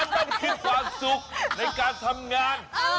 มันมีความสุขในการทำงาน